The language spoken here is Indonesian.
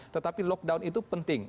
tetapi lockdown itu penting